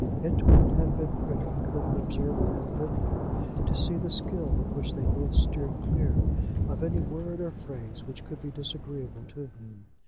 It would have been pretty, could an observer have been there, to see the skill with which they both steered clear of any word or phrase which could be disagreeable to him.